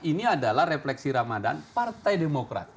ini adalah refleksi ramadan partai demokrat